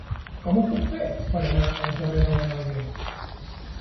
Com ho puc fer per anar al carrer de l'Anoia?